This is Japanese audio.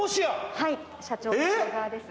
はい社長の塩澤です。